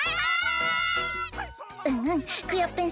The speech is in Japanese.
うんうんクヨッペン